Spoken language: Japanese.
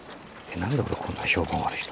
何で俺こんな評判悪いの？